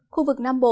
khu vực nam bộ